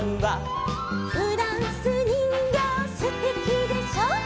「フランスにんぎょうすてきでしょ」